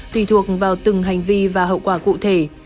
tùy thuộc vào từng hành vi và hậu quả cụ thể